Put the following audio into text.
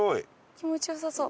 気持ち良さそう。